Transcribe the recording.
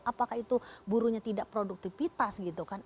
apakah itu burunya tidak produktivitas gitu kan